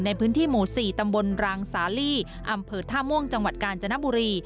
ในพื้นที่หมู่๔ตำบลรางสาลีอำเภอท่าม่วงจังหวัดกาญจนบุรี